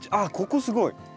ここすごい。